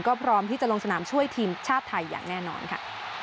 ก็พร้อมที่จะลงสนามช่วยทีมชาติไทยอย่างแน่นอนค่ะ